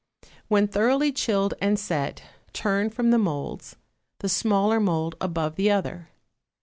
When thoroughly chilled and set, turn from the moulds, the smaller mould above the other.